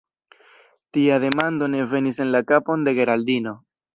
Tia demando ne venis en la kapon de Geraldino: